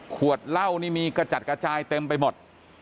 ขวดเหล้านี่มีกระจัดกระจายเต็มไปหมด